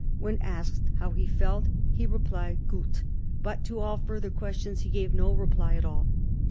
When asked how he felt, he replied "Gut," but to all further questions he gave no reply at all.